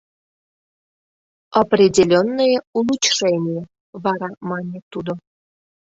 — Определённое улучшение, — вара мане тудо.